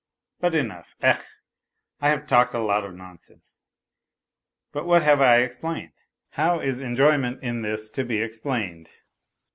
But enough. ... Ech, I have talked a lot of nonsense, but what have I explained ? How is enjoyment in this to be explained